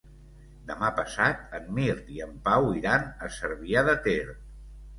Demà passat en Mirt i en Pau iran a Cervià de Ter.